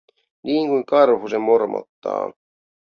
Niinkuin karhu se mormottaa.